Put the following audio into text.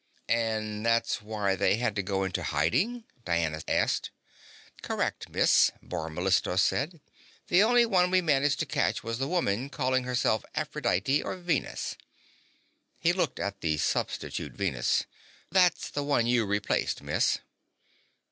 "And that's why they had to go into hiding?" Diana asked. "Correct, miss," Bor Mellistos said. "The only one we managed to catch was the woman calling herself Aphrodite, or Venus." He looked at the substitute Venus. "That's the one you replaced, miss."